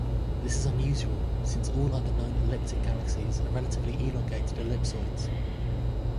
This is unusual, since all other known elliptic galaxies are relatively elongated ellipsoids.